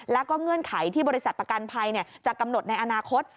แล้วก็เงื่อนไขที่บริษัทประกันภัยจะกำหนดในอนาคต